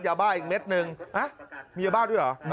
ยาบ้าอีกเม็ดนึงมียาบ้าด้วยเหรอ